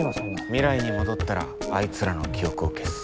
未来に戻ったらあいつらの記憶を消す。